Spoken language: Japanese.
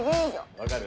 分かる？